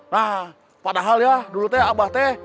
nah padahal ya dulu teh abah teh